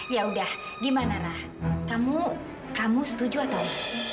yaudah gimana ra kamu setuju atau